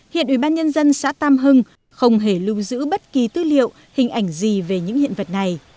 hiện ủy ban nhân dân xã tam hưng không hề lưu giữ bất kỳ tư liệu hình ảnh gì về những hiện vật này